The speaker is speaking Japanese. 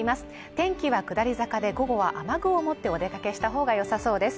天気は下り坂で午後は雨具を持ってお出かけした方が良さそうです。